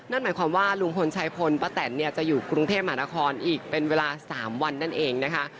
นั่นหมายความว่าลุงพลชายพลป้าแตนเนี่ยจะอยู่กรุงเทพมหานครอีกเป็นเวลา๓วันนั่นเองนะคะ